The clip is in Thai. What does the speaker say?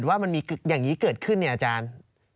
ว่ามันมีอย่างนี้เกิดขึ้นเนี่ยอาจารย์